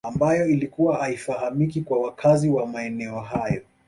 Ambayo ilikuwa haifahamiki kwa wakazi wa maeneo hayo